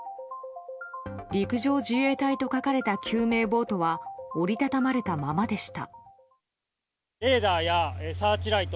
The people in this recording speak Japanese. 「陸上自衛隊」と書かれた救命ボートは折り畳まれたままでした。